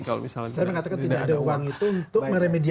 saya mengatakan tidak ada uang itu untuk meremedia